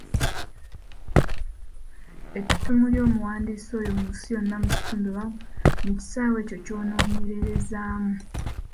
Ettuttumu ly’omuwandiisi oyo mu nsi yonna, mu kitundu oba mu kisaawe ekyo ky’onoonyererezaamu.